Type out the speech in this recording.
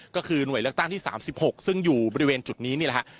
ก็คือหน่วยเลือกตั้งที่๓๖ซึ่งอยู่บริเวณจุดนี้นี่แหละฮะ